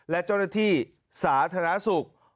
และเจ้าหน้าที่สาธารณสุข